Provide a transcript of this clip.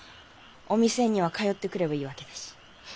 お店には通ってくればいいわけだし。